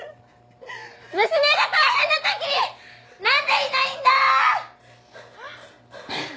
娘が大変な時になんでいないんだー！